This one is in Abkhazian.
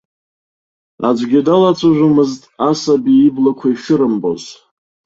Аӡәгьы далацәажәомызт асаби иблақәа ишырымбоз.